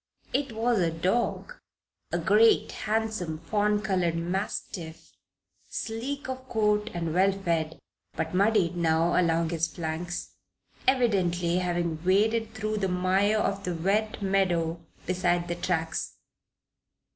It was a dog a great, handsome, fawn colored mastiff, sleek of coat and well fed, but muddied now along his flanks, evidently having waded through the mire of the wet meadow beside the tracks.